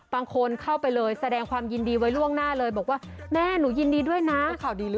บางคนเข้าไปเลยแสดงความยินดีไว้ล่วงหน้าเลยบอกว่าแม่หนูยินดีด้วยนะ